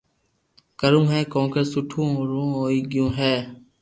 ڪروُ ھي ڪونڪھ سبو رو ھوئي گيو ھي